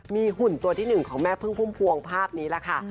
มีหุ่นตัวที่๑ของแม่พึ่งพุ่มพวงภาพนี้แหละค่ะ